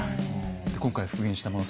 今回復元したもの